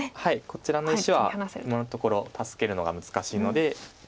こちらの石は今のところ助けるのが難しいので。